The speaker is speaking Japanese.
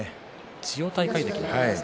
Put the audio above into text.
千代大海関です。